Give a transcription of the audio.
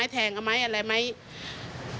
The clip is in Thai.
โยต้องกล้าภาษณ์อยากให้คุณผู้ชมได้ฟัง